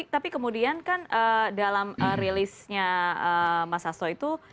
tapi kemudian kan dalam rilisnya mas hasto itu